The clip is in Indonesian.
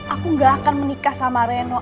aku gak akan menikah sama reno